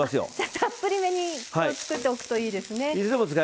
たっぷりめに作っておくといいですね。